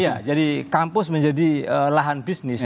iya jadi kampus menjadi lahan bisnis